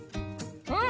うん！